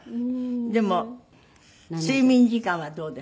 でも睡眠時間はどうです？